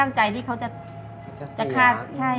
แม่ชีวิต